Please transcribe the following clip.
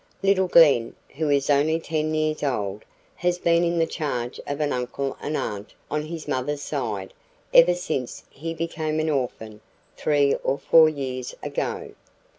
Little Glen, who is only 10 years old, has been in the charge of an uncle and aunt on his mother's side ever since he became an orphan three or four years ago.